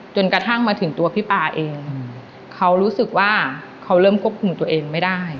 จนกระทั่งมาถึงตัวพี่ปาเองเขารู้สึกว่าเขาเริ่มควบคุมตัวเองไม่ได้